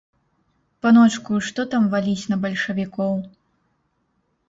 Паночку, што там валіць на бальшавікоў!